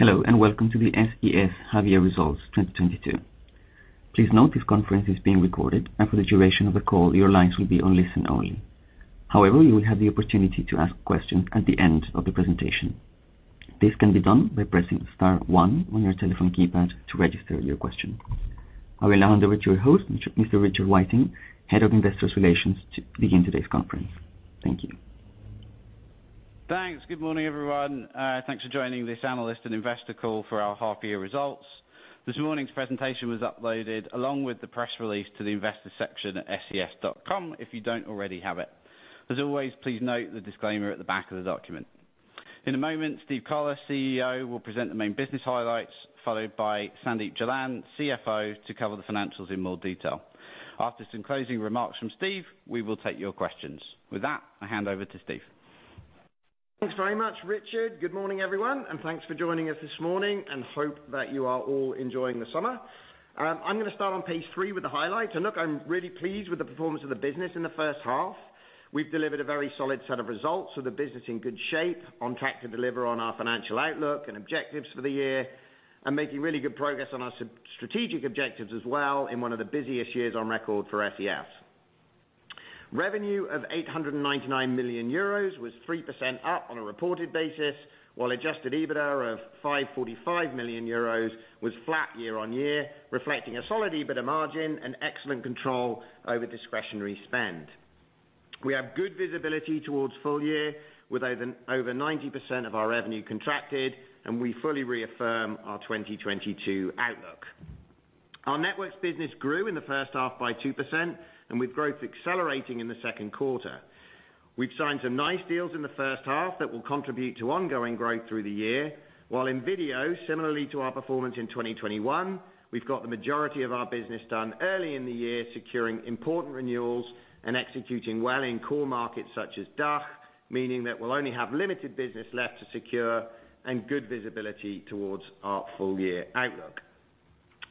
Hello, and welcome to the SES Half Year Results 2022. Please note this conference is being recorded, and for the duration of the call, your lines will be on listen only. However, you will have the opportunity to ask questions at the end of the presentation. This can be done by pressing star one on your telephone keypad to register your question. I will now hand over to your host, Mr. Richard Whiting, Head of Investor Relations, to begin today's conference. Thank you. Thanks. Good morning, everyone. Thanks for joining this analyst and investor call for our half year results. This morning's presentation was uploaded along with the press release to the investor section at ses.com if you don't already have it. As always, please note the disclaimer at the back of the document. In a moment, Steve Collar, CEO, will present the main business highlights, followed by Sandeep Jalan, CFO, to cover the financials in more detail. After some closing remarks from Steve, we will take your questions. With that, I hand over to Steve. Thanks very much, Richard. Good morning, everyone, and thanks for joining us this morning, and hope that you are all enjoying the summer. I'm gonna start on page three with the highlights, and look, I'm really pleased with the performance of the business in the first half. We've delivered a very solid set of results so the business in good shape, on track to deliver on our financial outlook and objectives for the year, and making really good progress on our strategic objectives as well in one of the busiest years on record for SES. Revenue of 899 million euros was 3% up on a reported basis, while adjusted EBITDA of 545 million euros was flat year-on-year, reflecting a solid EBITDA margin and excellent control over discretionary spend. We have good visibility towards full year with over 90% of our revenue contracted, and we fully reaffirm our 2022 outlook. Our Networks business grew in the first half by 2%, and with growth accelerating in the second quarter. We've signed some nice deals in the first half that will contribute to ongoing growth through the year, while in video, similarly to our performance in 2021, we've got the majority of our business done early in the year, securing important renewals and executing well in core markets such as DACH. Meaning that we'll only have limited business left to secure and good visibility towards our full year outlook.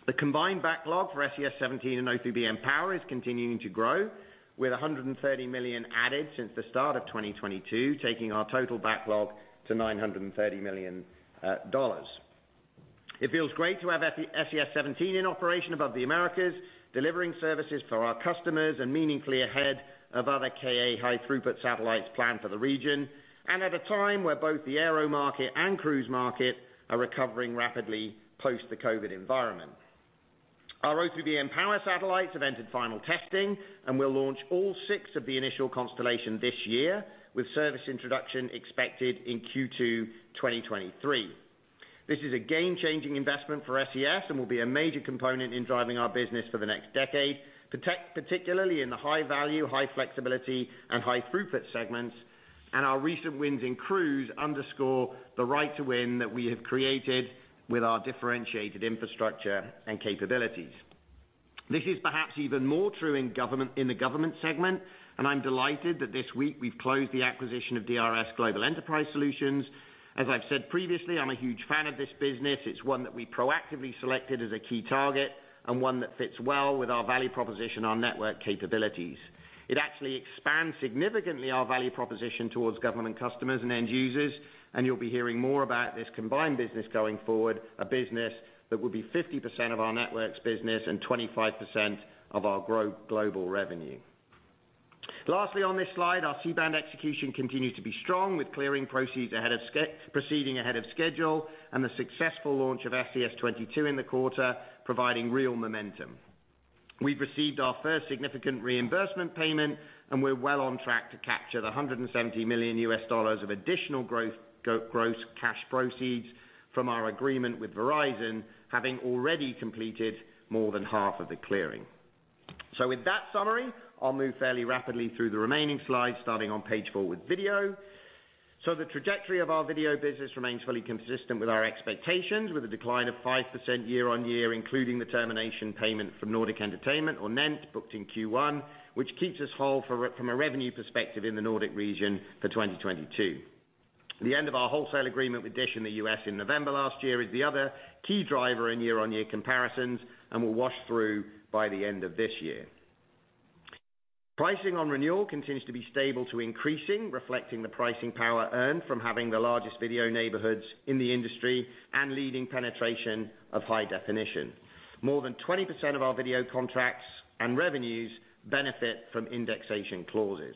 The combined backlog for SES-17 and O3b mPOWER is continuing to grow with $130 million added since the start of 2022, taking our total backlog to $930 million. It feels great to have SES-17 in operation above the Americas, delivering services for our customers and meaningfully ahead of other KA high-throughput satellites planned for the region, and at a time where both the aero market and cruise market are recovering rapidly post the COVID environment. Our O3b mPOWER satellites have entered final testing, and we'll launch all six of the initial constellation this year, with service introduction expected in Q2 2023. This is a game-changing investment for SES and will be a major component in driving our business for the next decade, particularly in the high value, high flexibility, and high-throughput segments. Our recent wins in cruise underscore the right to win that we have created with our differentiated infrastructure and capabilities. This is perhaps even more true in government, in the government segment, and I'm delighted that this week we've closed the acquisition of DRS Global Enterprise Solutions. As I've said previously, I'm a huge fan of this business. It's one that we proactively selected as a key target and one that fits well with our value proposition on network capabilities. It actually expands significantly our value proposition towards government customers and end users, and you'll be hearing more about this combined business going forward, a business that will be 50% of our Networks business and 25% of our global revenue. Lastly, on this slide, our C-band execution continues to be strong with clearing proceeding ahead of schedule and the successful launch of SES-22 in the quarter, providing real momentum. We've received our first significant reimbursement payment and we're well on track to capture the $170 million of additional growth gross cash proceeds from our agreement with Verizon, having already completed more than half of the clearing. With that summary, I'll move fairly rapidly through the remaining slides, starting on page four with video. The trajectory of our video business remains fully consistent with our expectations, with a decline of 5% year-on-year, including the termination payment from Nordic Entertainment or NENT, booked in Q1, which keeps us whole for, from a revenue perspective in the Nordic region for 2022. The end of our wholesale agreement with Dish in the U.S. in November last year is the other key driver in year-on-year comparisons and will wash through by the end of this year. Pricing on renewal continues to be stable to increasing, reflecting the pricing power earned from having the largest video neighborhoods in the industry and leading penetration of high definition. More than 20% of our video contracts and revenues benefit from indexation clauses.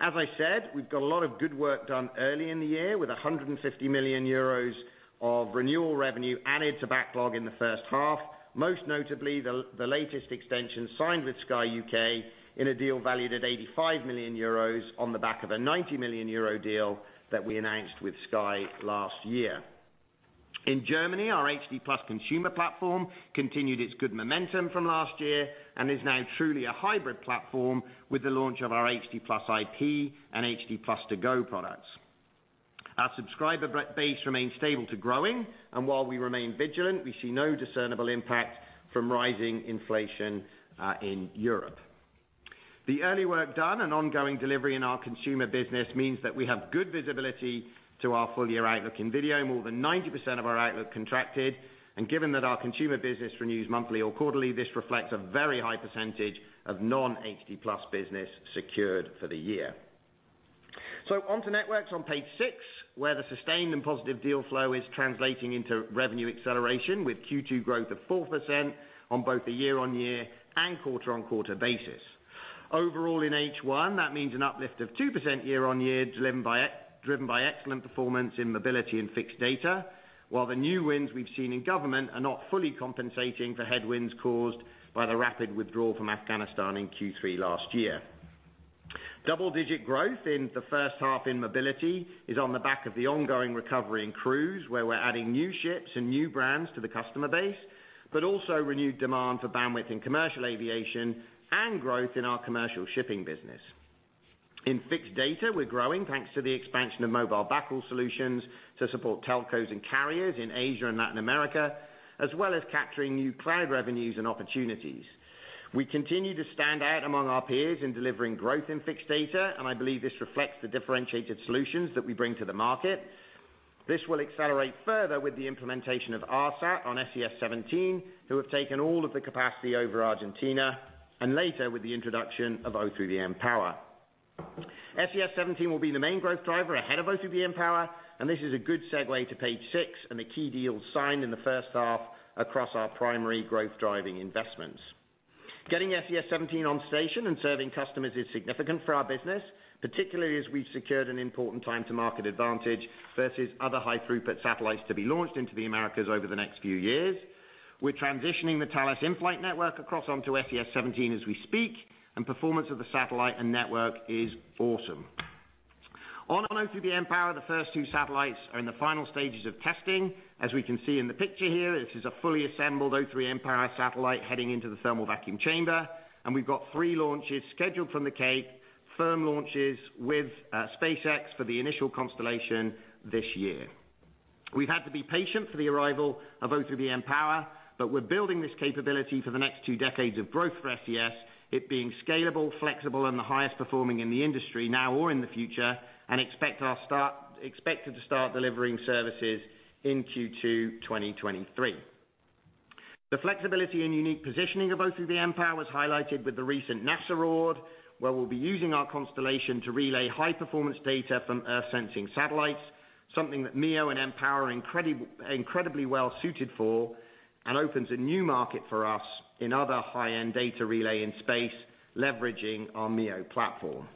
As I said, we've got a lot of good work done early in the year with 150 million euros of renewal revenue added to backlog in the first half. Most notably, the latest extension signed with Sky U.K. in a deal valued at 85 million euros on the back of a 90 million euro deal that we announced with Sky last year. In Germany, our HD+ consumer platform continued its good momentum from last year and is now truly a hybrid platform with the launch of our HD+ IP and HD+ ToGo products. Our subscriber base remains stable to growing, and while we remain vigilant, we see no discernible impact from rising inflation in Europe. The early work done and ongoing delivery in our consumer business means that we have good visibility to our full year outlook in video, more than 90% of our outlook contracted. Given that our consumer business renews monthly or quarterly, this reflects a very high percentage of non-HD+ business secured for the year. On to networks on page six, where the sustained and positive deal flow is translating into revenue acceleration with Q2 growth of 4% on both a year-on-year and quarter-on-quarter basis. Overall in H1, that means an uplift of 2% year-on-year driven by excellent performance in mobility and fixed data, while the new wins we've seen in government are not fully compensating for headwinds caused by the rapid withdrawal from Afghanistan in Q3 last year. Double-digit growth in the first half in mobility is on the back of the ongoing recovery in cruise, where we're adding new ships and new brands to the customer base, but also renewed demand for bandwidth in commercial aviation and growth in our commercial shipping business. In fixed data, we're growing thanks to the expansion of mobile backhaul solutions to support telcos and carriers in Asia and Latin America, as well as capturing new cloud revenues and opportunities. We continue to stand out among our peers in delivering growth in fixed data, and I believe this reflects the differentiated solutions that we bring to the market. This will accelerate further with the implementation of ARSAT on SES-17, who have taken all of the capacity over Argentina, and later with the introduction of O3b mPOWER. SES-17 will be the main growth driver ahead of O3b mPOWER, and this is a good segue to page six and the key deals signed in the first half across our primary growth driving investments. Getting SES-17 on station and serving customers is significant for our business, particularly as we secured an important time to market advantage versus other high-throughput satellites to be launched into the Americas over the next few years. We're transitioning the Thales InFlyt network across onto SES-17 as we speak, and performance of the satellite and network is awesome. On O3b mPOWER, the first two satellites are in the final stages of testing. As we can see in the picture here, this is a fully assembled O3b mPOWER satellite heading into the thermal vacuum chamber, and we've got three launches scheduled from the Cape, firm launches with SpaceX for the initial constellation this year. We've had to be patient for the arrival of O3b mPOWER, but we're building this capability for the next two decades of growth for SES, it being scalable, flexible, and the highest performing in the industry now or in the future, and expected to start delivering services in Q2 2023. The flexibility and unique positioning of O3b mPOWER was highlighted with the recent NASA award, where we'll be using our constellation to relay high-performance data from Earth-sensing satellites, something that MEO and mPOWER are incredibly well suited for and opens a new market for us in other high-end data relay in space, leveraging our MEO platform.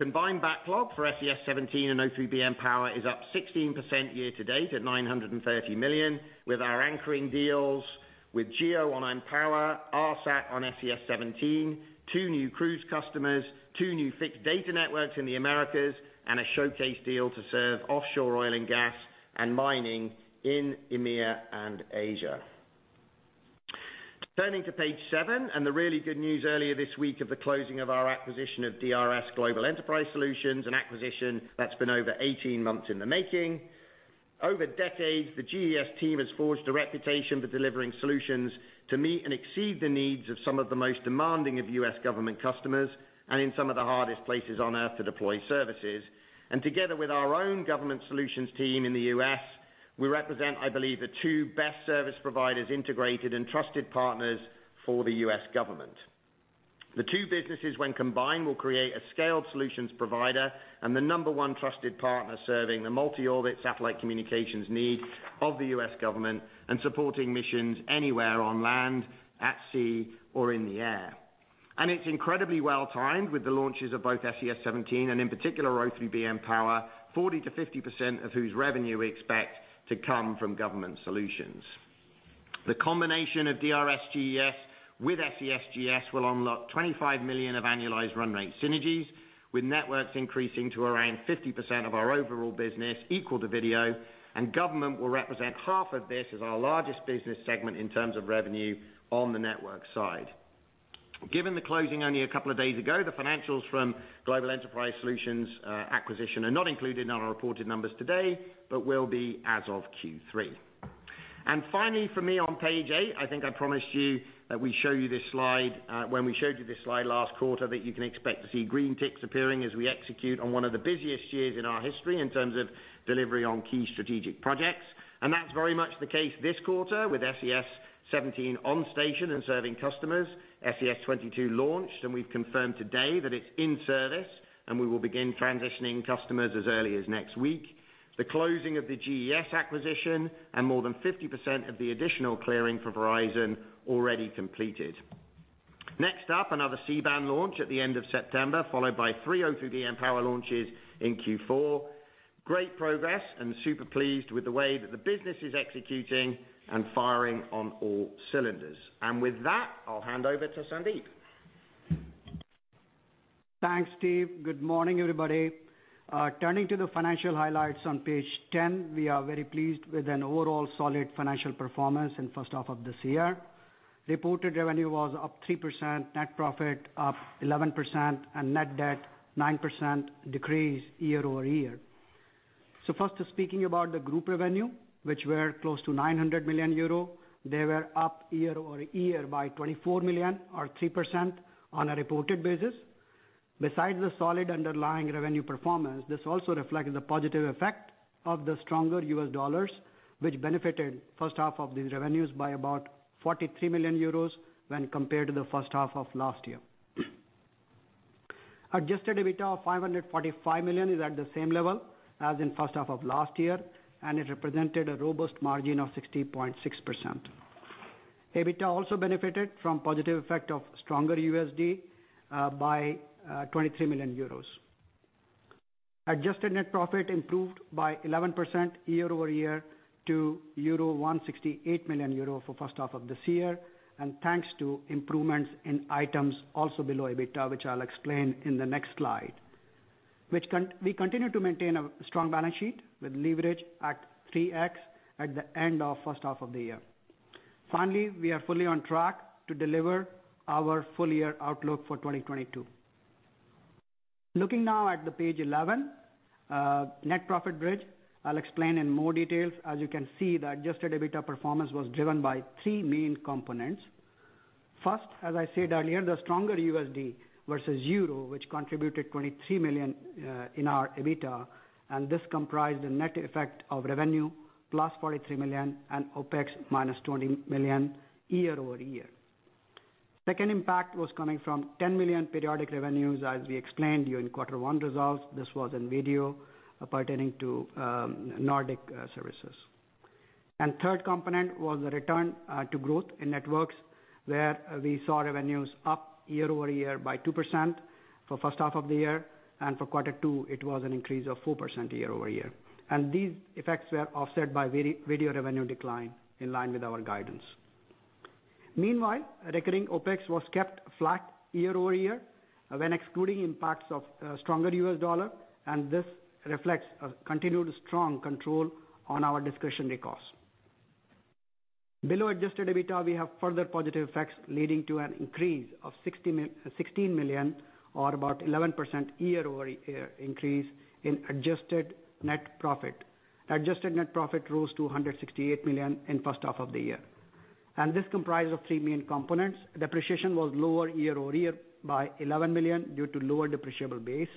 Combined backlog for SES-17 and O3b mPOWER is up 16% year to date at 930 million, with our anchoring deals with GEO on mPOWER, ARSAT on SES-17, two new cruise customers, two new fixed data networks in the Americas, and a showcase deal to serve offshore oil and gas and mining in EMEA and Asia. Turning to page seven and the really good news earlier this week of the closing of our acquisition of DRS Global Enterprise Solutions, an acquisition that's been over 18 months in the making. Over decades, the GES team has forged a reputation for delivering solutions to meet and exceed the needs of some of the most demanding of U.S. government customers and in some of the hardest places on Earth to deploy services. Together with our own government solutions team in the U.S., we represent, I believe, the two best service providers, integrated and trusted partners for the U.S. government. The two businesses, when combined, will create a scaled solutions provider and the number one trusted partner serving the multi-orbit satellite communications need of the U.S. government and supporting missions anywhere on land, at sea, or in the air. It's incredibly well timed with the launches of both SES-17, and in particular, O3b mPOWER, 40%-50% of whose revenue we expect to come from government solutions. The combination of DRS GES with SES GS will unlock 25 million of annualized run rate synergies, with networks increasing to around 50% of our overall business equal to video, and government will represent half of this as our largest business segment in terms of revenue on the network side. Given the closing only a couple of days ago, the financials from DRS Global Enterprise Solutions acquisition are not included in our reported numbers today, but will be as of Q3. Finally for me on page eight, I think I promised you that we'd show you this slide when we showed you this slide last quarter, that you can expect to see green ticks appearing as we execute on one of the busiest years in our history in terms of delivery on key strategic projects. That's very much the case this quarter with SES-17 on station and serving customers, SES-22 launched, and we've confirmed today that it's in service, and we will begin transitioning customers as early as next week. The closing of the GES acquisition and more than 50% of the additional clearing for Verizon already completed. Next up, another C-band launch at the end of September, followed by three O3b mPOWER launches in Q4. Great progress and super pleased with the way that the business is executing and firing on all cylinders. With that, I'll hand over to Sandeep. Thanks, Steve. Good morning, everybody. Turning to the financial highlights on page ten, we are very pleased with an overall solid financial performance in first half of this year. Reported revenue was up 3%, net profit up 11%, and net debt 9% decrease year-over-year. First, speaking about the group revenue, which were close to 900 million euro, they were up year-over-year by 24 million or 3% on a reported basis. Besides the solid underlying revenue performance, this also reflects the positive effect of the stronger U.S. dollars, which benefited first half of the revenues by about 43 million euros when compared to the first half of last year. Adjusted EBITDA of 545 million is at the same level as in first half of last year, and it represented a robust margin of 60.6%. EBITDA also benefited from positive effect of stronger USD by 23 million euros. Adjusted net profit improved by 11% year-over-year to 168 million euro for first half of this year. Thanks to improvements in items also below EBITDA, which I'll explain in the next slide. We continue to maintain a strong balance sheet with leverage at 3x at the end of first half of the year. Finally, we are fully on track to deliver our full-year outlook for 2022. Looking now at page 11, net profit bridge. I'll explain in more details. As you can see, the adjusted EBITDA performance was driven by three main components. First, as I said earlier, the stronger USD versus euro, which contributed 23 million in our EBITDA, and this comprised the net effect of revenue plus 43 million and OpEx minus 20 million year-over-year. Second impact was coming from 10 million periodic revenues, as we explained during quarter one results. This was in video pertaining to Nordic services. Third component was the return to growth in networks, where we saw revenues up year-over-year by 2% for first half of the year. For quarter two, it was an increase of 4% year-over-year. These effects were offset by our video revenue decline in line with our guidance. Meanwhile, recurring OpEx was kept flat year-over-year when excluding impacts of stronger U.S. dollar, and this reflects a continued strong control on our discretionary costs. Below adjusted EBITDA, we have further positive effects leading to an increase of 16 million or about 11% year-over-year increase in adjusted net profit. Adjusted net profit rose to 168 million in first half of the year, and this comprises of three main components. Depreciation was lower year-over-year by 11 million due to lower depreciable base.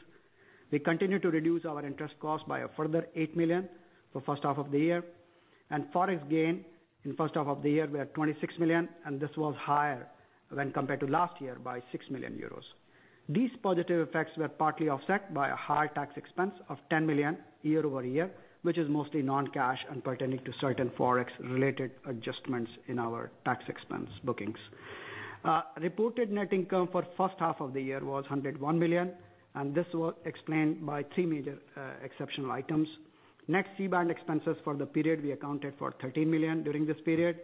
We continue to reduce our interest costs by a further 8 million for first half of the year. Forex gain in first half of the year were 26 million, and this was higher when compared to last year by 6 million euros. These positive effects were partly offset by a higher tax expense of 10 million year-over-year, which is mostly non-cash and pertaining to certain Forex related adjustments in our tax expense bookings. Reported net income for first half of the year was 101 million, and this was explained by three major exceptional items. Next, C-band expenses for the period, we accounted for 13 million during this period.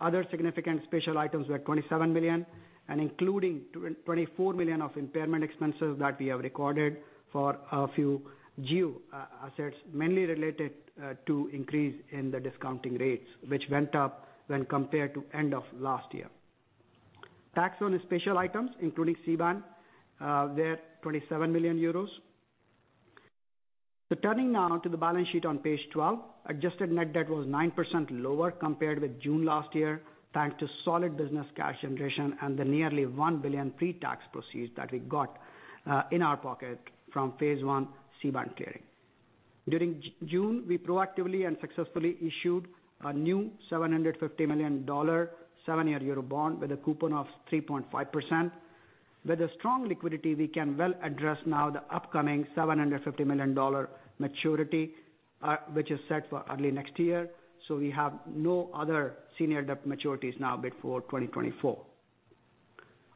Other significant special items were 27 million and including 24 million of impairment expenses that we have recorded for a few GEO assets, mainly related to increase in the discount rates, which went up when compared to end of last year. Tax on special items, including C-band, were 27 million euros. Turning now to the balance sheet on page 12. Adjusted net debt was 9% lower compared with June last year, thanks to solid business cash generation and the nearly 1 billion pre-tax proceeds that we got in our pocket from phase one C-band clearing. During June, we proactively and successfully issued a new $750 million, 70-year bond with a coupon of 3.5%. With a strong liquidity, we can well address now the upcoming $750 million maturity, which is set for early next year. We have no other senior debt maturities now before 2024.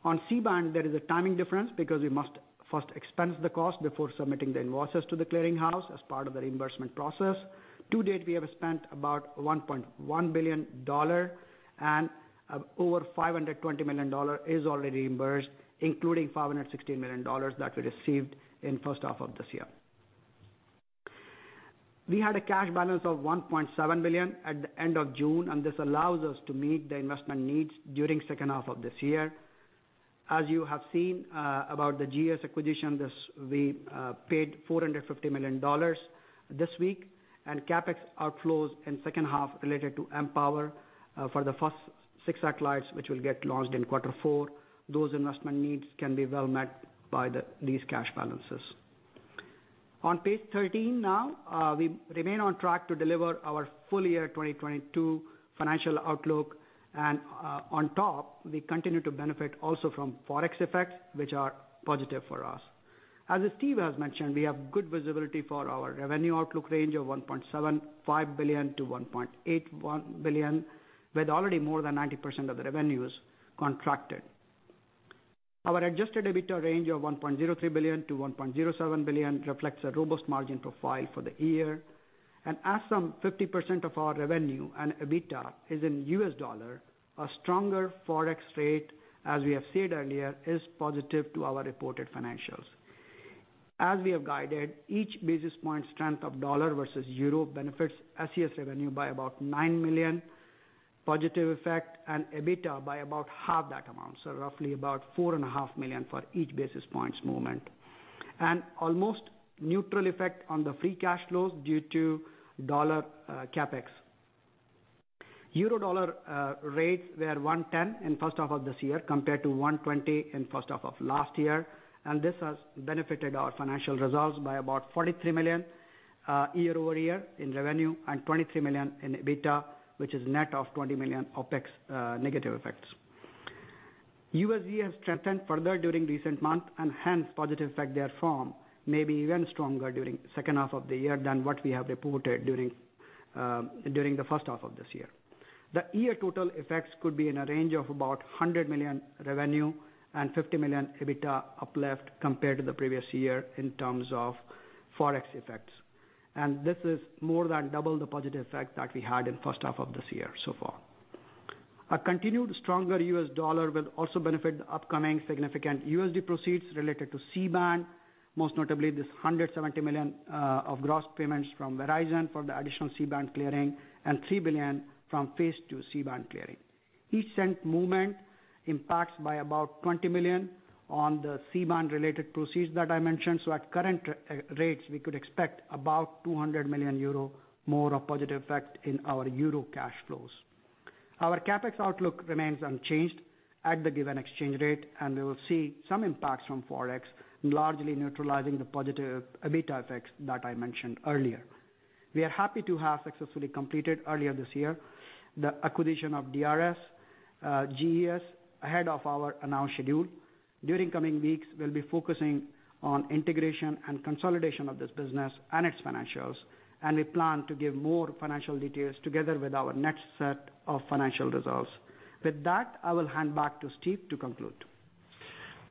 On C-band, there is a timing difference because we must first expense the cost before submitting the invoices to the clearing house as part of the reimbursement process. To date, we have spent about $1.1 billion and over $520 million is already reimbursed, including $516 million that we received in first half of this year. We had a cash balance of 1.7 billion at the end of June, and this allows us to meet the investment needs during second half of this year. As you have seen, about the GES acquisition, we paid $450 million this week and CapEx outflows in second half related to mPOWER, for the first six satellites, which will get launched in quarter four. Those investment needs can be well met by these cash balances. On page 13 now, we remain on track to deliver our full year 2022 financial outlook. On top, we continue to benefit also from Forex effects, which are positive for us. As Steve has mentioned, we have good visibility for our revenue outlook range of 1.75-1.81 billion, with already more than 90% of the revenues contracted. Our adjusted EBITDA range of 1.03-1.07 billion reflects a robust margin profile for the year. As some 50% of our revenue and EBITDA is in U.S. dollar, a stronger Forex rate, as we have said earlier, is positive to our reported financials. As we have guided, each basis point strength of dollar versus euro benefits SES revenue by about 9 million positive effect and EBITDA by about half that amount. Roughly about 4.5 million for each basis points movement. Almost neutral effect on the free cash flows due to dollar CapEx. Euro dollar rates were 1.10 in first half of this year compared to 1.20 in first half of last year. This has benefited our financial results by about 43 million year-over-year in revenue and 23 million in EBITDA, which is net of 20 million OpEx negative effects. U.S. has strengthened further during recent months, and hence positive effect therefore may be even stronger during second half of the year than what we have reported during the first half of this year. The year total effects could be in a range of about 100 million revenue and 50 million EBITDA uplift compared to the previous year in terms of Forex effects. This is more than double the positive effect that we had in first half of this year so far. A continued stronger U.S. dollar will also benefit the upcoming significant USD proceeds related to C-band, most notably this $170 million of gross payments from Verizon for the additional C-band clearing and $3 billion from Phase-2 C-band clearing. Each cent movement impacts by about $20 million on the C-band related proceeds that I mentioned. At current rates, we could expect about 200 million euro more of positive effect in our euro cash flows. Our CapEx outlook remains unchanged at the given exchange rate, and we will see some impacts from Forex, largely neutralizing the positive EBITDA effects that I mentioned earlier. We are happy to have successfully completed earlier this year the acquisition of DRS GES ahead of our announced schedule. During coming weeks, we'll be focusing on integration and consolidation of this business and its financials, and we plan to give more financial details together with our next set of financial results. With that, I will hand back to Steve to conclude.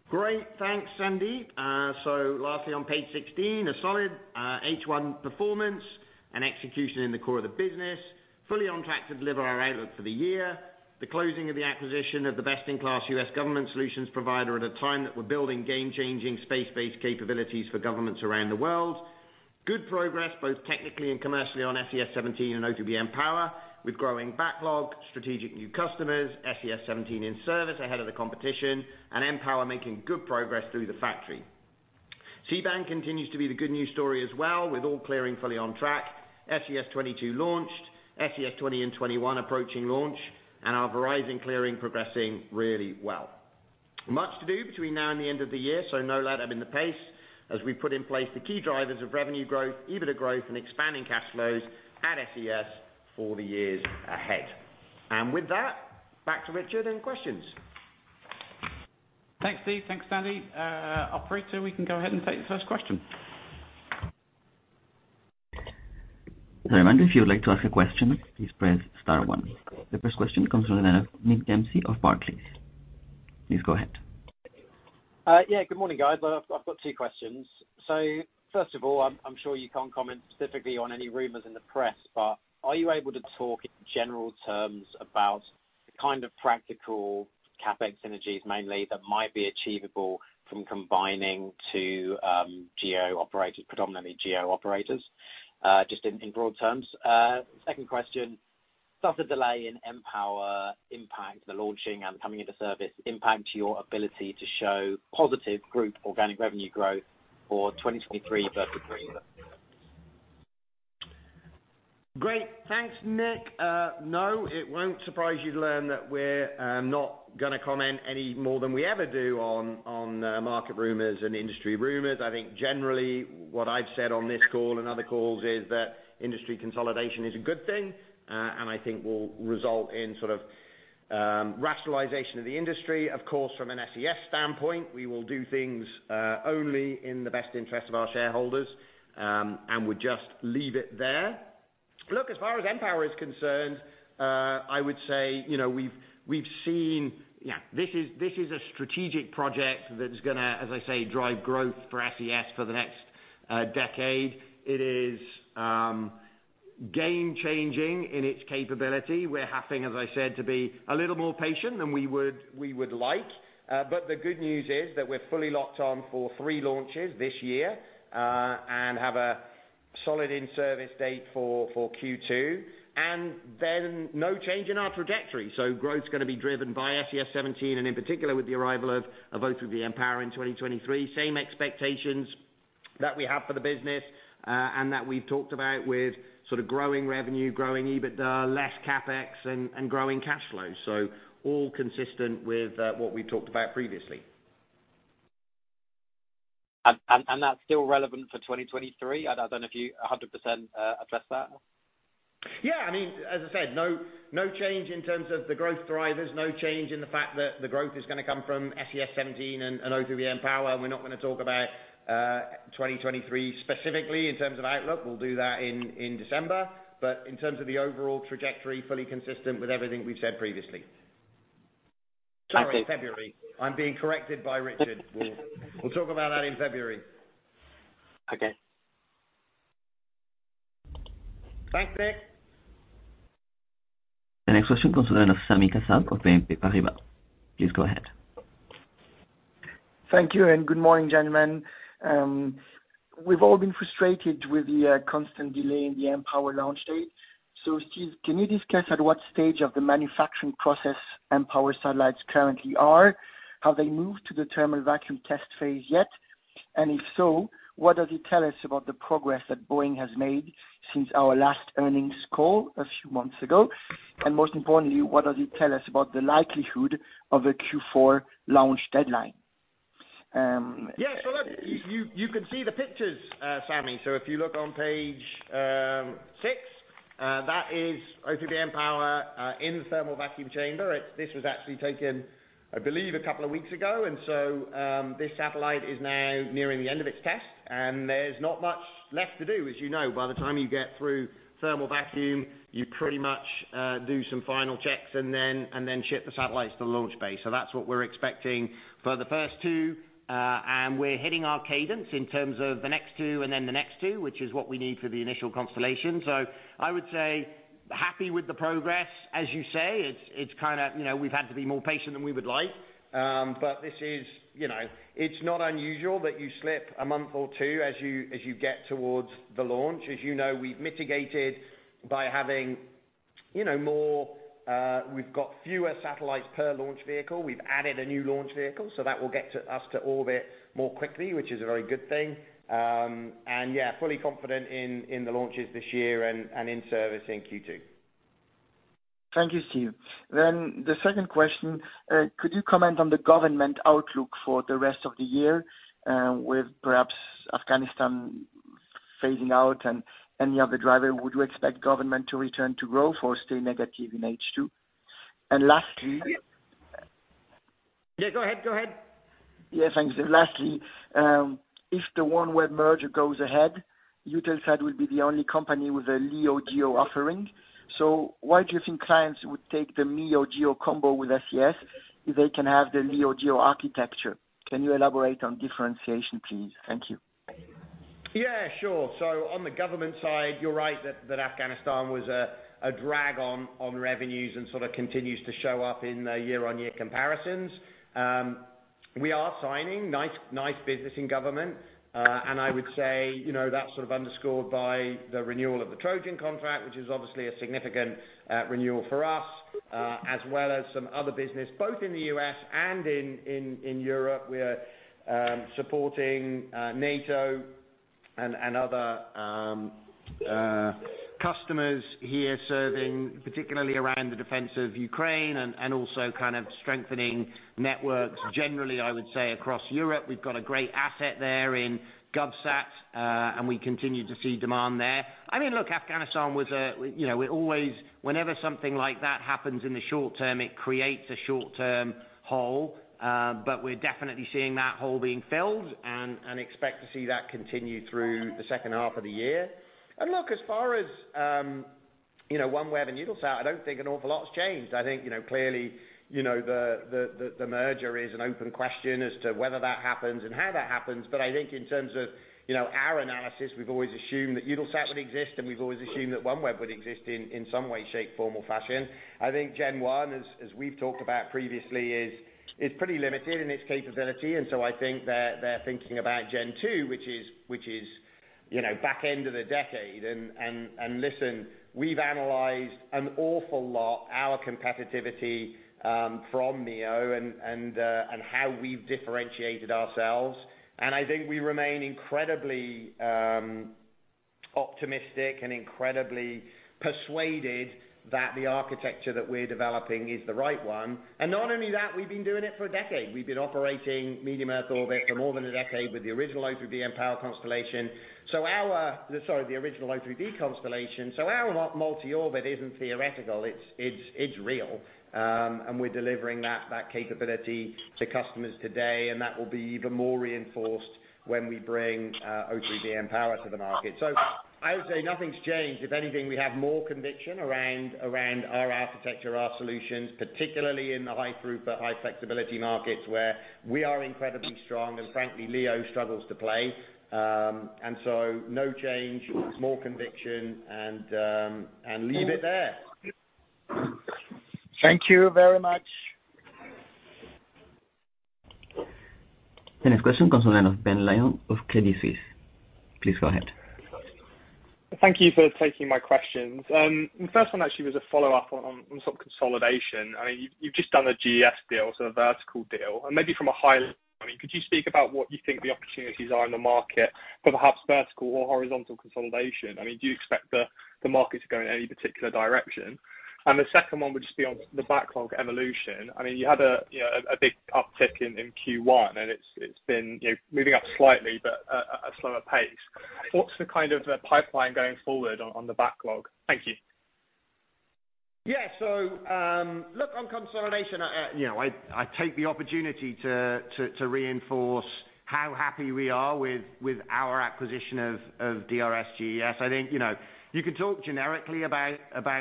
Great. Thanks, Sandeep. Lastly, on page 16, a solid H1 performance and execution in the core of the business, fully on track to deliver our outlook for the year. The closing of the acquisition of the best-in-class U.S. government solutions provider at a time that we're building game-changing space-based capabilities for governments around the world. Good progress, both technically and commercially, on SES-17 and O3b mPower, with growing backlog, strategic new customers, SES-17 in service ahead of the competition, and mPower making good progress through the factory. C-band continues to be the good news story as well, with all clearing fully on track, SES-22 launched, SES-20 and 21 approaching launch, and our Verizon clearing progressing really well. Much to do between now and the end of the year, so no letting up in the pace as we put in place the key drivers of revenue growth, EBITDA growth, and expanding cash flows at SES for the years ahead. With that, back to Richard and questions. Thanks, Steve. Thanks, Sandy. Operator, we can go ahead and take the first question. As a reminder, if you would like to ask a question, please press star one. The first question comes from the line of Nick Dempsey of Barclays. Please go ahead. Yeah, good morning, guys. Well, I've got two questions. First of all, I'm sure you can't comment specifically on any rumors in the press, but are you able to talk in general terms about the kind of practical CapEx synergies mainly that might be achievable from combining two GEO operators, predominantly GEO operators, just in broad terms. Second question. Does the delay in mPOWER impact the launching and coming into service impact your ability to show positive group organic revenue growth for 2023 versus previous? Great. Thanks, Nick. No, it won't surprise you to learn that we're not gonna comment any more than we ever do on market rumors and industry rumors. I think generally what I've said on this call and other calls is that industry consolidation is a good thing, and I think will result in sort of rationalization of the industry. Of course, from an SES standpoint, we will do things only in the best interest of our shareholders, and we just leave it there. Look, as far as mPOWER is concerned, I would say, you know, we've seen, you know, this is a strategic project that is gonna, as I say, drive growth for SES for the next decade. It is game-changing in its capability. We're having, as I said, to be a little more patient than we would like. The good news is that we're fully locked on for three launches this year, and have a solid in-service date for Q2, and then no change in our trajectory. Growth's gonna be driven by SES-17, and in particular with the arrival of O3b mPOWER in 2023. Same expectations that we have for the business, and that we've talked about with sort of growing revenue, growing EBITDA, less CapEx and growing cash flow. All consistent with what we talked about previously. That's still relevant for 2023? I don't know if you 100%, addressed that. Yeah. I mean, as I said, no change in terms of the growth drivers. No change in the fact that the growth is gonna come from SES-17 and O3b mPOWER. We're not gonna talk about 2023 specifically in terms of outlook. We'll do that in December. In terms of the overall trajectory, fully consistent with everything we've said previously. Okay. Sorry, February. I'm being corrected by Richard. We'll talk about that in February. Okay. Thanks, Nick. The next question comes from the line of Sami Kassab of BNP Paribas. Please go ahead. Thank you and good morning, gentlemen. We've all been frustrated with the constant delay in the mPOWER launch date. Steve, can you discuss at what stage of the manufacturing process mPOWER satellites currently are? Have they moved to the thermal vacuum test phase yet? If so, what does it tell us about the progress that Boeing has made since our last earnings call a few months ago? Most importantly, what does it tell us about the likelihood of a Q4 launch deadline? Yeah. Look, you can see the pictures, Sami. If you look on page six, that is O3b mPOWER in the thermal vacuum chamber. This was actually taken, I believe, a couple of weeks ago. This satellite is now nearing the end of its test, and there's not much left to do. As you know, by the time you get through thermal vacuum, you pretty much do some final checks and then ship the satellites to the launch base. That's what we're expecting for the first two. We're hitting our cadence in terms of the next two and then the next two, which is what we need for the initial constellation. I would say happy with the progress. As you say, it's kinda, you know, we've had to be more patient than we would like. This is, you know, it's not unusual that you slip a month or two as you get towards the launch. As you know, we've mitigated. We've got fewer satellites per launch vehicle. We've added a new launch vehicle, so that will get us to orbit more quickly, which is a very good thing. Yeah, fully confident in the launches this year and in service in Q2. Thank you, Steve. The second question, could you comment on the government outlook for the rest of the year, with perhaps Afghanistan phasing out and any other driver, would you expect government to return to growth or stay negative in H2? Lastly- Yeah, go ahead. Yeah, thanks. Lastly, if the OneWeb merger goes ahead, Eutelsat will be the only company with a LEO GEO offering. Why do you think clients would take the LEO GEO combo with SES if they can have the LEO GEO architecture? Can you elaborate on differentiation, please? Thank you. Yeah, sure. On the government side, you're right that Afghanistan was a drag on revenues and sort of continues to show up in the year-on-year comparisons. We are signing nice business in government. I would say, you know, that's sort of underscored by the renewal of the TROJAN contract, which is obviously a significant renewal for us, as well as some other business both in the U.S. and in Europe. We are supporting NATO and other customers here serving particularly around the defense of Ukraine and also kind of strengthening networks generally, I would say, across Europe. We've got a great asset there in GovSat, and we continue to see demand there. I mean, look, Afghanistan was a, you know, whenever something like that happens in the short term, it creates a short term hole. But we're definitely seeing that hole being filled and expect to see that continue through the second half of the year. Look, as far as, you know, OneWeb and Eutelsat, I don't think an awful lot's changed. I think, you know, clearly, you know, the merger is an open question as to whether that happens and how that happens. I think in terms of, you know, our analysis, we've always assumed that Eutelsat would exist, and we've always assumed that OneWeb would exist in some way, shape, form, or fashion. I think Gen 1, as we've talked about previously, is pretty limited in its capability, and so I think they're thinking about Gen 2, which is, you know, back end of the decade. Listen, we've analyzed an awful lot of our competitiveness from LEO and how we've differentiated ourselves. I think we remain incredibly optimistic and incredibly persuaded that the architecture that we're developing is the right one. Not only that, we've been doing it for a decade. We've been operating medium earth orbit for more than a decade with the original O3b constellation. Our multi-orbit isn't theoretical, it's real. We're delivering that capability to customers today, and that will be even more reinforced when we bring O3b mPOWER to the market. I would say nothing's changed. If anything, we have more conviction around our architecture, our solutions, particularly in the high-throughput, high flexibility markets where we are incredibly strong and frankly LEO struggles to play. No change, more conviction, and leave it there. Thank you very much. The next question comes from Ben Lyons of Jarden. Please go ahead. Thank you for taking my questions. The first one actually was a follow-up on sort of consolidation. I mean, you've just done a GES deal, so a vertical deal. Maybe from a high level, I mean, could you speak about what you think the opportunities are in the market for perhaps vertical or horizontal consolidation? I mean, do you expect the market to go in any particular direction? The second one would just be on the backlog evolution. I mean, you had a big uptick in Q1, and it's been moving up slightly but at a slower pace. What's the kind of pipeline going forward on the backlog? Thank you. Yeah. Look, on consolidation, you know, I take the opportunity to reinforce how happy we are with our acquisition of DRS GES. I think, you know, you can talk generically about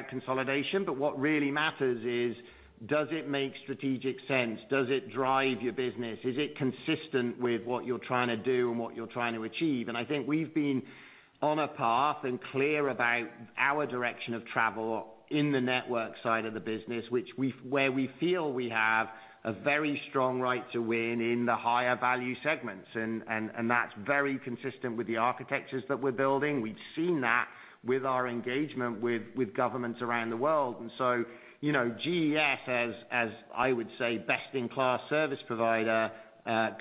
consolidation, but what really matters is, does it make strategic sense? Does it drive your business? Is it consistent with what you're trying to do and what you're trying to achieve? I think we've been on a path and clear about our direction of travel in the network side of the business, where we feel we have a very strong right to win in the higher value segments. That's very consistent with the architectures that we're building. We've seen that with our engagement with governments around the world. You know, GES, as I would say, best-in-class service provider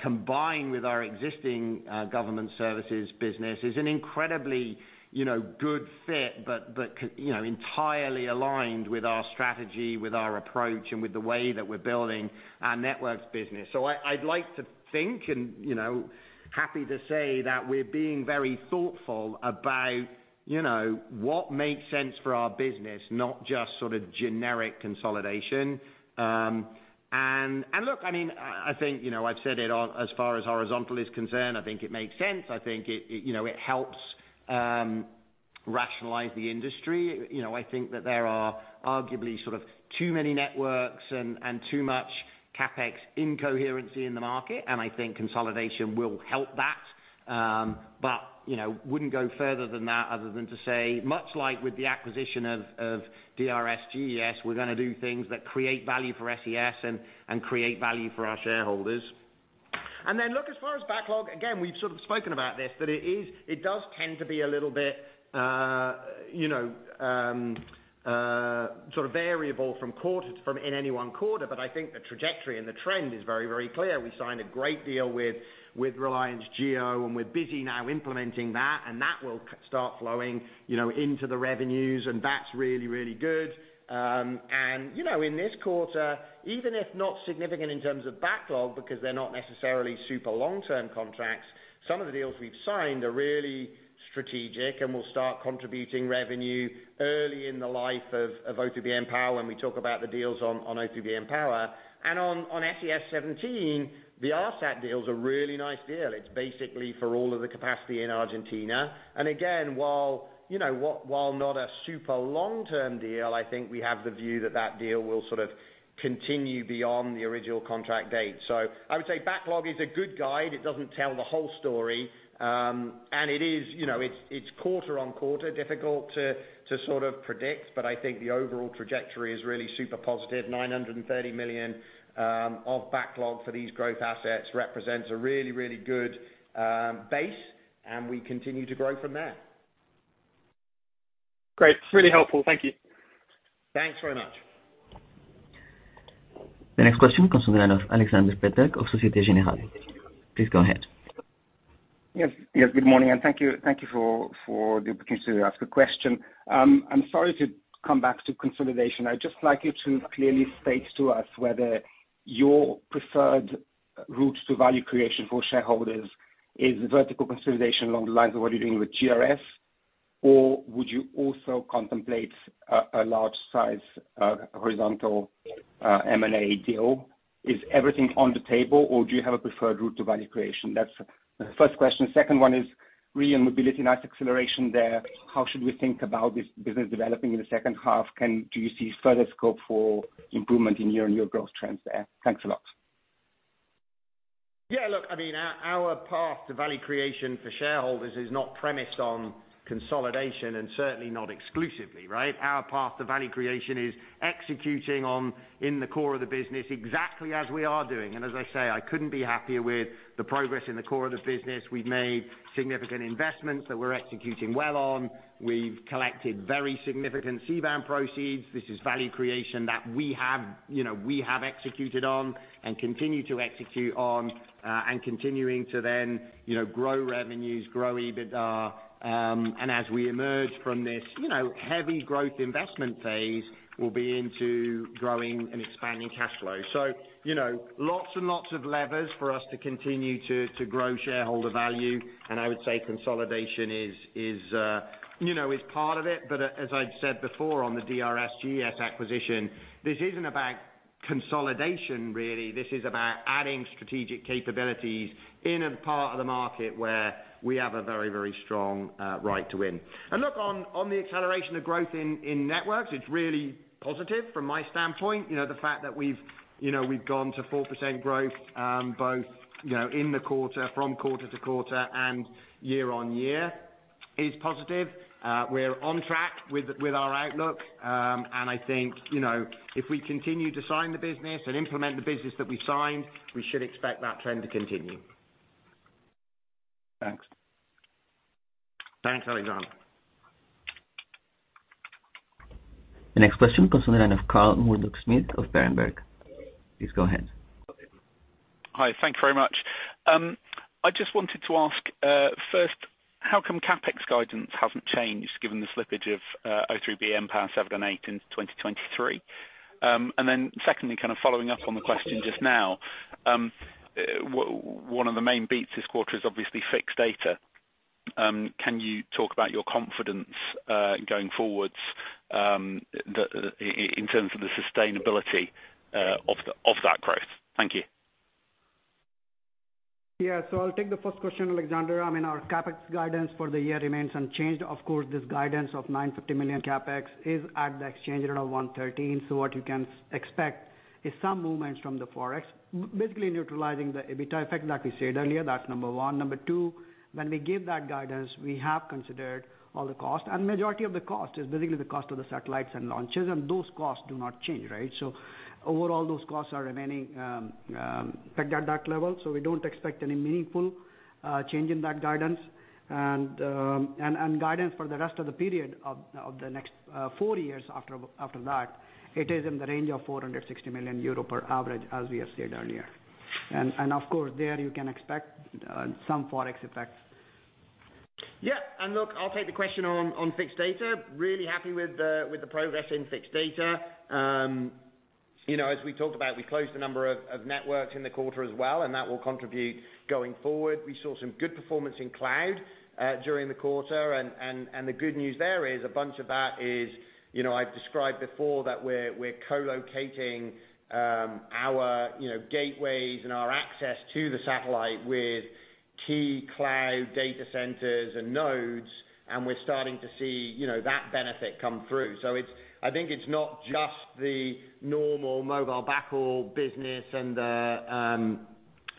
combined with our existing government services business, is an incredibly, you know, good fit. You know, entirely aligned with our strategy, with our approach, and with the way that we're building our networks business. I'd like to think, and you know, happy to say that we're being very thoughtful about, you know, what makes sense for our business, not just sort of generic consolidation. And look, I mean, I think, you know, I've said it, as far as horizontal is concerned, I think it makes sense. I think it, you know, it helps rationalize the industry. You know, I think that there are arguably sort of too many networks and too much CapEx incoherency in the market, and I think consolidation will help that. You know, wouldn't go further than that other than to say, much like with the acquisition of DRS GES, we're gonna do things that create value for SES and create value for our shareholders. Look, as far as backlog, again, we've sort of spoken about this, but it is. It does tend to be a little bit, you know, sort of variable in any one quarter. I think the trajectory and the trend is very, very clear. We signed a great deal with Reliance Jio, and we're busy now implementing that, and that will start flowing, you know, into the revenues. That's really, really good. You know, in this quarter, even if not significant in terms of backlog, because they're not necessarily super long-term contracts, some of the deals we've signed are really strategic and will start contributing revenue early in the life of O3b mPOWER when we talk about the deals on O3b mPOWER. On SES-17, the ARSAT deal's a really nice deal. It's basically for all of the capacity in Argentina. Again, while you know, while not a super long-term deal, I think we have the view that that deal will sort of continue beyond the original contract date. I would say backlog is a good guide. It doesn't tell the whole story. It is, you know, it's quarter on quarter, difficult to sort of predict, but I think the overall trajectory is really super positive. 930 million of backlog for these growth assets represents a really good base, and we continue to grow from there. Great. It's really helpful. Thank you. Thanks very much. The next question comes in on Alexander Peterc of Societe Generale. Please go ahead. Yes, good morning, and thank you for the opportunity to ask a question. I'm sorry to come back to consolidation. I'd just like you to clearly state to us whether your preferred route to value creation for shareholders is vertical consolidation along the lines of what you're doing with DRS, or would you also contemplate a large size horizontal M&A deal? Is everything on the table, or do you have a preferred route to value creation? That's the first question. Second one is re: mobility, nice acceleration there. How should we think about this business developing in the second half? Do you see further scope for improvement in year-on-year growth trends there? Thanks a lot. Yeah, look, I mean, our path to value creation for shareholders is not premised on consolidation and certainly not exclusively, right? Our path to value creation is executing on in the core of the business exactly as we are doing. As I say, I couldn't be happier with the progress in the core of the business. We've made significant investments that we're executing well on. We've collected very significant C-band proceeds. This is value creation that we have, you know, we have executed on and continue to execute on, and continuing to then, you know, grow revenues, grow EBITDA, and as we emerge from this, you know, heavy growth investment phase, we'll be into growing and expanding cash flow. You know, lots and lots of levers for us to continue to grow shareholder value, and I would say consolidation is part of it. As I've said before on the DRS GES acquisition, this isn't about consolidation really. This is about adding strategic capabilities in a part of the market where we have a very, very strong right to win. Look, on the acceleration of growth in networks, it's really positive from my standpoint. You know, the fact that we've gone to 4% growth, both quarter-over-quarter and year-on-year is positive. We're on track with our outlook. I think, you know, if we continue to sign the business and implement the business that we signed, we should expect that trend to continue. Thanks. Thanks, Aleksander. The next question comes on the line of Carl Murdock-Smith of Berenberg. Please go ahead. Hi. Thank you very much. I just wanted to ask, first, how come CapEx guidance hasn't changed given the slippage of O3b mPower 7 and 8 in 2023? Secondly, kind of following up on the question just now, one of the main beats this quarter is obviously fixed data. Can you talk about your confidence going forwards in terms of the sustainability of that growth? Thank you. Yeah. I'll take the first question, Alexander. I mean, our CapEx guidance for the year remains unchanged. Of course, this guidance of 950 million CapEx is at the exchange rate of 1.13. What you can expect is some movements from the Forex basically neutralizing the EBITDA effect, like we said earlier. That's number one. Number two, when we give that guidance, we have considered all the costs, and majority of the cost is basically the cost of the satellites and launches, and those costs do not change, right? Overall, those costs are remaining, like at that level, so we don't expect any meaningful change in that guidance. Guidance for the rest of the period of the next four years after that, it is in the range of 460 million euro on average, as we have said earlier. Of course, there you can expect some Forex effects. Yeah. Look, I'll take the question on fixed data. Really happy with the progress in fixed data. You know, as we talked about, we closed a number of networks in the quarter as well, and that will contribute going forward. We saw some good performance in cloud during the quarter. The good news there is a bunch of that is, you know, I've described before that we're co-locating our gateways and our access to the satellite with key cloud data centers and nodes, and we're starting to see, you know, that benefit come through. I think it's not just the normal mobile backhaul business and the,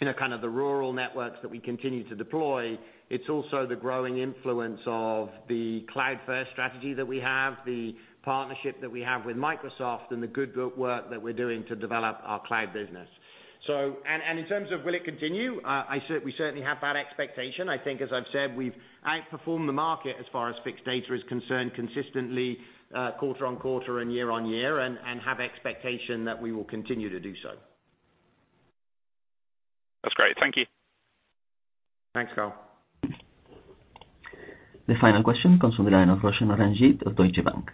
you know, kind of the rural networks that we continue to deploy. It's also the growing influence of the cloud-first strategy that we have, the partnership that we have with Microsoft and the good work that we're doing to develop our cloud business. In terms of will it continue, we certainly have that expectation. I think as I've said, we've outperformed the market as far as fixed data is concerned consistently, quarter on quarter and year on year, and have expectation that we will continue to do so. That's great. Thank you. Thanks, Carl. The final question comes from the line of Roshan Ranjit of Deutsche Bank.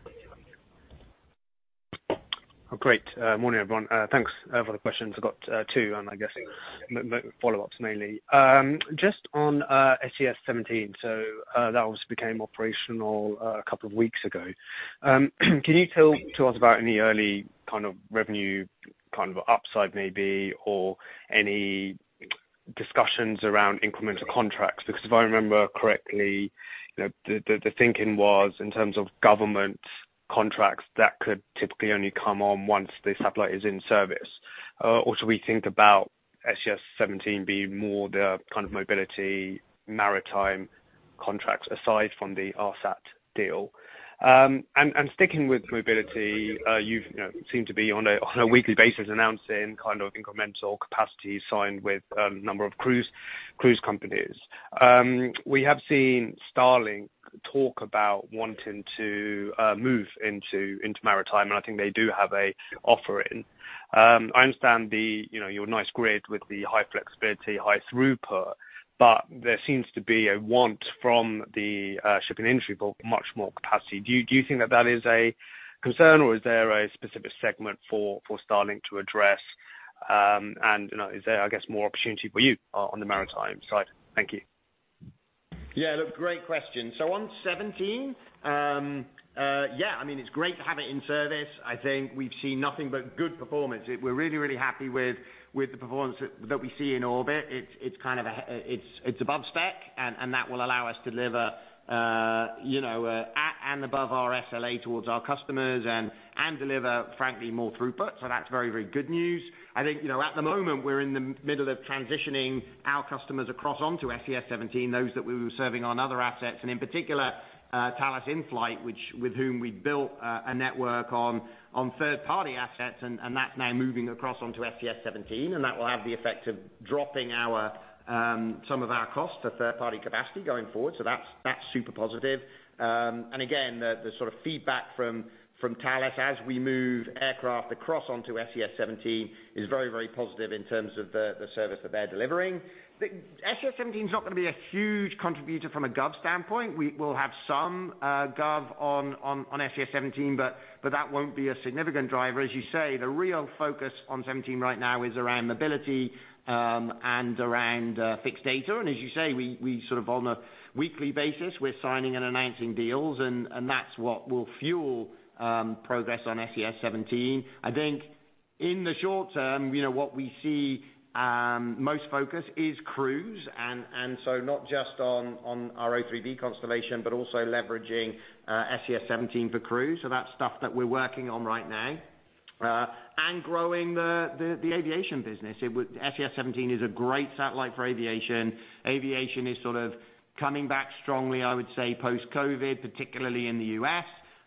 Oh, great. Morning, everyone. Thanks for the questions. I've got two, and I'm guessing follow-ups mainly. Just on SES-17. That obviously became operational a couple of weeks ago. Can you tell us about any early kind of revenue, kind of upside maybe, or any discussions around incremental contracts? Because if I remember correctly, the thinking was in terms of government contracts that could typically only come on once the satellite is in service. Also, when we think about SES-17 being more the kind of mobility, maritime contracts aside from the ARSAT deal. And sticking with mobility, you've, you know, seemed to be on a weekly basis announcing kind of incremental capacity signed with a number of cruise companies. We have seen Starlink talk about wanting to move into maritime, and I think they do have an offering. I understand, you know, your nice grid with the high flexibility, high throughput, but there seems to be a want from the shipping industry for much more capacity. Do you think that is a concern or is there a specific segment for Starlink to address? You know, is there, I guess, more opportunity for you on the maritime side? Thank you. Yeah, look, great question. On 17, I mean, it's great to have it in service. I think we've seen nothing but good performance. We're really happy with the performance that we see in orbit. It's above spec, and that will allow us to deliver, you know, at and above our SLA towards our customers and deliver, frankly, more throughput. That's very good news. I think, you know, at the moment, we're in the middle of transitioning our customers across onto SES-17, those that we were serving on other assets, and in particular, Thales InFlyt, with whom we built a network on third-party assets, and that's now moving across onto SES-17, and that will have the effect of dropping our some of our costs to third-party capacity going forward. That's super positive. Again, the sort of feedback from Thales as we move aircraft across onto SES-17 is very positive in terms of the service that they're delivering. The SES-17 is not gonna be a huge contributor from a gov standpoint. We will have some gov on SES-17, but that won't be a significant driver. As you say, the real focus on SES-17 right now is around mobility and around fixed data. As you say, we sort of on a weekly basis, we're signing and announcing deals and that's what will fuel progress on SES-17. I think in the short term, you know, what we see most focus is cruise and so not just on our O3b constellation, but also leveraging SES-17 for cruise. That's stuff that we're working on right now, and growing the aviation business. SES-17 is a great satellite for aviation. Aviation is sort of coming back strongly, I would say, post-COVID, particularly in the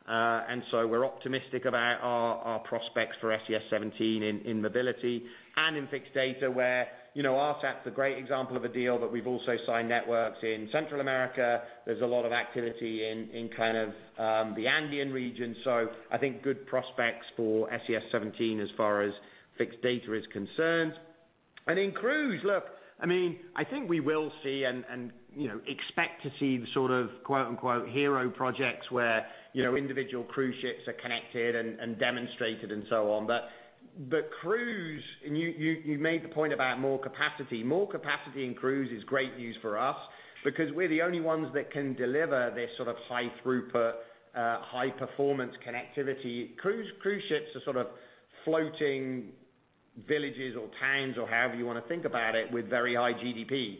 U.S. We're optimistic about our prospects for SES-17 in mobility and in fixed data where, you know, ARSAT is a great example of a deal, but we've also signed networks in Central America. There's a lot of activity in kind of the Andean region. I think good prospects for SES-17 as far as fixed data is concerned. In cruise, look, I mean, I think we will see and, you know, expect to see the sort of quote-unquote "hero projects" where, you know, individual cruise ships are connected and demonstrated and so on. Cruise, you made the point about more capacity. More capacity in cruise is great news for us because we're the only ones that can deliver this sort of high throughput, high performance connectivity. Cruise ships are sort of floating villages or towns or however you wanna think about it with very high GDP.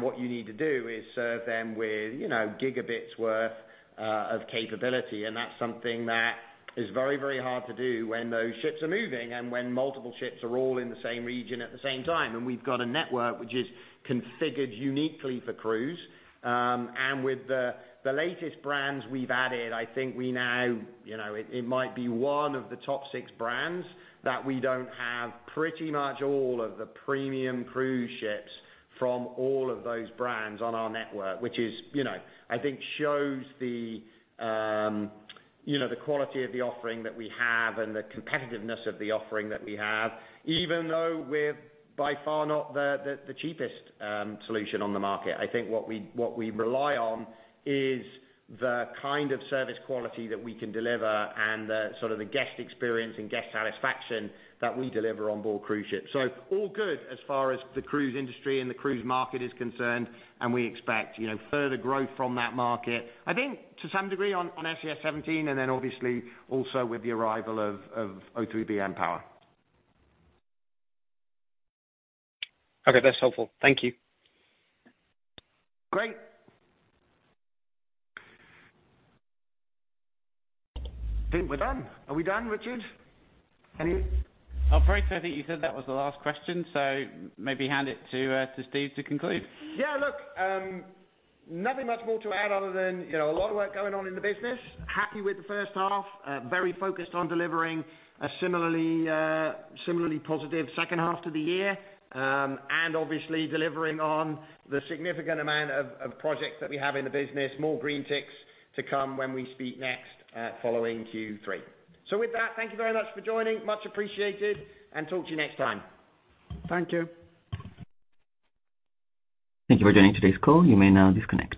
What you need to do is serve them with, you know, gigabits worth of capability. That's something that is very, very hard to do when those ships are moving and when multiple ships are all in the same region at the same time. We've got a network which is configured uniquely for cruise. With the latest brands we've added, I think we now, you know, it might be one of the top six brands that we don't have pretty much all of the premium cruise ships from all of those brands on our network, which, you know, I think shows the, you know, the quality of the offering that we have and the competitiveness of the offering that we have, even though we're by far not the cheapest solution on the market. I think what we rely on is the kind of service quality that we can deliver and the sort of guest experience and guest satisfaction that we deliver on board cruise ships. All good as far as the cruise industry and the cruise market is concerned, and we expect, you know, further growth from that market. I think to some degree on SES-17, and then obviously also with the arrival of O3b mPOWER. Okay, that's helpful. Thank you. Great. I think we're done. Are we done, Richard? I'm very certain you said that was the last question, so maybe hand it to Steve to conclude. Yeah, look, nothing much more to add other than, you know, a lot of work going on in the business. Happy with the first half. Very focused on delivering a similarly positive second half to the year, and obviously delivering on the significant amount of projects that we have in the business. More green ticks to come when we speak next, following Q3. With that, thank you very much for joining. Much appreciated, and talk to you next time. Thank you. Thank you for joining today's call. You may now disconnect.